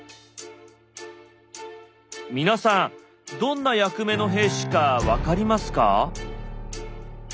皆さんどんな役目の兵士か分かりますか？